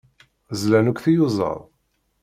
Zlan akk tiyuẓaḍ.